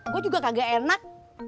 gue juga kagak enak